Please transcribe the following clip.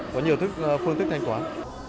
có nhiều phương tức thanh toán